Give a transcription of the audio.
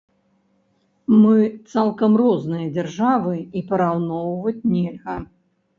Мы цалкам розныя дзяржавы, і параўноўваць нельга.